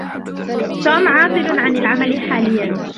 توم عاطل عن العمل حاليا.